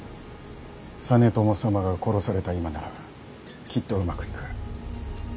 実朝様が殺された今ならきっとうまくいく。